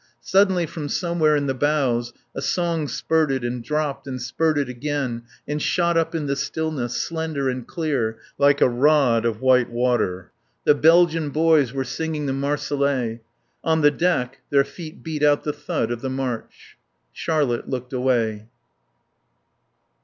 Suddenly from somewhere in the bows a song spurted and dropped and spurted again and shot up in the stillness, slender and clear, like a rod oft white water. The Belgian boys were singing the Marseillaise. On the deck their feet beat out the thud of the march. Charlotte looked away.